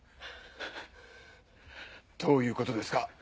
どういうことですか？